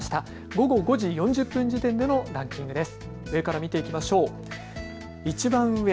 午後５時４０分時点でのランキングです。